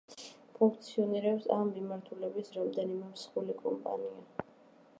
ფუნქციონირებს ამ მიმართულების რამდენიმე მსხვილი კომპანია.